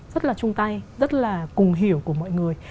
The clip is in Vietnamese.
rất là chung tay rất là cùng hiểu của mọi người